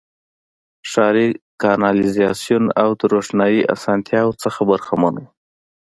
ښاري کانالیزاسیون او د روښنايي اسانتیاوو څخه برخمن وو.